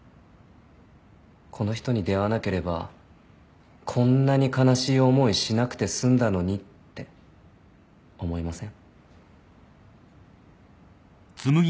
この人に出会わなければこんなに悲しい思いしなくて済んだのにって思いません？